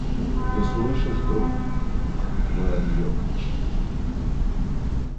Ты слышишь, друг: воронье кричит.